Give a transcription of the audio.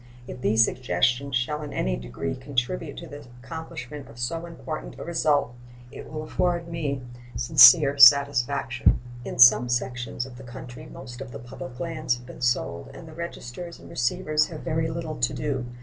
If these suggestions shall in any degree contribute to the accomplishment of so important a result, it will afford me sincere satisfaction. In some sections of the country most of the public lands have been sold, and the registers and receivers have very little to do.